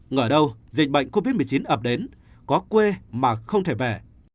ngờ đâu dịch bệnh covid một mươi chín ập đến có quê mà không thể về